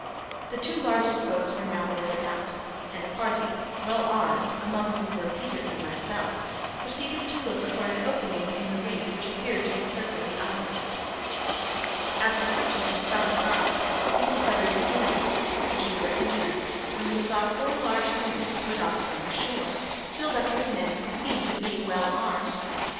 The two largest boats were now ordered out, and a party, well armed (among whom were Peters and myself), proceeded to look for an opening in the reef which appeared to encircle the island. After searching about for some time, we discovered an inlet, which we were entering, when we saw four large canoes put off from the shore, filled with men who seemed to be well armed.